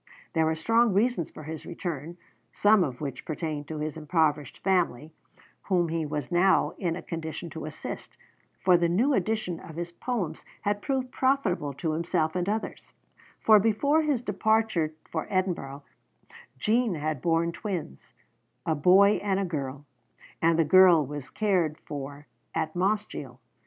There were strong reasons for his return, some of which pertained to his impoverished family, whom he was now in a condition to assist, for the new edition of his Poems had proved profitable to himself, and others for before his departure for Edinburgh, Jean had borne twins, a boy and a girl; and the girl was being cared for at Mossgiel.